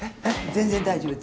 全然大丈夫。